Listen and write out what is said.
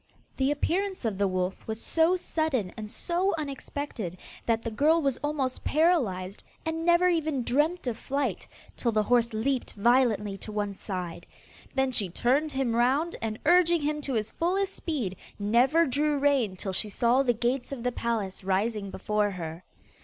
The appearance of the wolf was so sudden and so unexpected, that the girl was almost paralysed, and never even dreamt of flight, till the horse leaped violently to one side. Then she turned him round, and urging him to his fullest speed, never drew rein till she saw the gates of the palace rising before her.